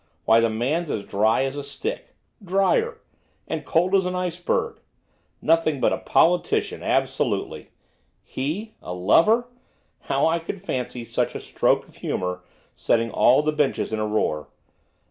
Why, the man's as dry as a stick, drier! And cold as an iceberg. Nothing but a politician, absolutely. He a lover! how I could fancy such a stroke of humour setting all the benches in a roar.